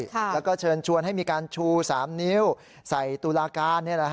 แล้วก็เชิญชวนให้มีการชู๓นิ้วใส่ตุลาการ